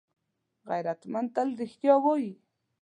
غیرتمند تل رښتیا وايي